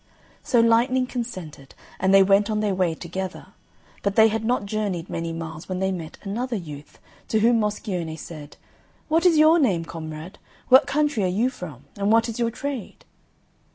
So Lightning consented, and they went on their way together; but they had not journeyed many miles when they met another youth, to whom Moscione said, "What is your name, comrade? What country are you from? And what is your trade?"